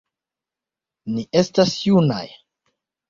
Ni estas junaj.